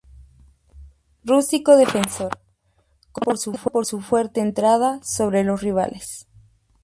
Rústico defensor, conocido por su fuerte entrada sobre los rivales.